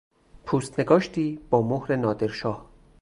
پوست نگاشتی با مهر نادرشاه